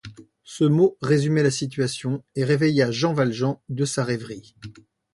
Ce mot résumait la situation, et réveilla Jean Valjean de sa rêverie.